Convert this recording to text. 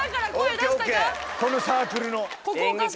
このサークルの。